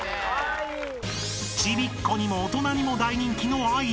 ［ちびっ子にも大人にも大人気のアイス］